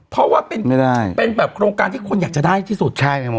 เพราะว่าเป็นไม่ได้เป็นแบบโรงการที่คนอยากจะได้ที่สุดใช่ทั้งหมด